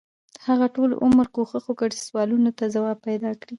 هغه ټول عمر کوښښ وکړ چې سوالونو ته ځواب پیدا کړي.